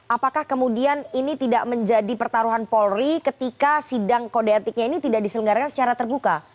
apakah kemudian ini tidak menjadi pertaruhan polri ketika sidang kode etiknya ini tidak diselenggarakan secara terbuka